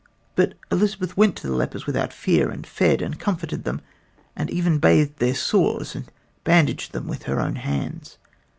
But Elizabeth went to the lepers without fear and fed and comforted them, and even bathed their sores and bandaged them with her own hands.